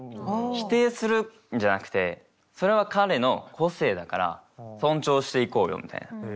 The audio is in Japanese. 否定するんじゃなくてそれは彼の個性だから尊重していこうよみたいな。